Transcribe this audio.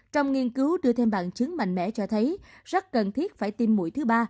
trong nghiên cứu đưa thêm bằng chứng mạnh mẽ cho thấy rất cần thiết phải tiêm mũi thứ ba